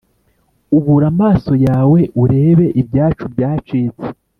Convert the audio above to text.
Ubura amaso yawe urebe ibyacu byacitse